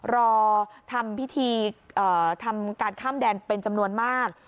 รอทำพิธีทำการข้ามแดนเป็นจำนวนมาก